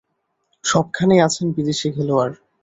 সবখানেই আছেন বিদেশি খেলোয়াড়।